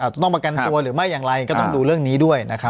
ต้องประกันตัวหรือไม่อย่างไรก็ต้องดูเรื่องนี้ด้วยนะครับ